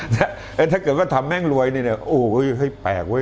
แต่ถ้าเกิดว่าทำแม่งรวยนี่แหละอู้้เห้ยแปลกเว้ย